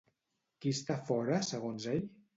Qui està fora segons ell?